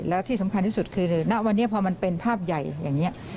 แล้วที่สำคัญที่สุดคือณวันนี้พอมันเป็นภาพใหญ่อย่างนี้